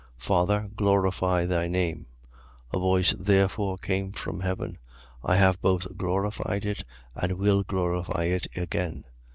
12:28. Father, glorify thy name. A voice therefore came from heaven: I have both glorified it and will glorify it again.